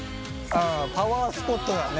パワースポットだね。